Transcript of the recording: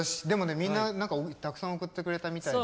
みんなたくさん送ってくれたみたいで。